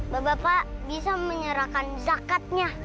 bapak bapak bisa menyerahkan zakatnya